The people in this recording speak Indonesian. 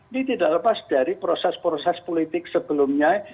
ditidak lepas dari proses proses politik sebelumnya